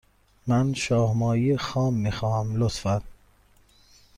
من شاه ماهی خام می خواهم، لطفا.